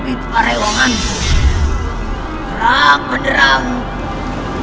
bisa membuat ether yang menderita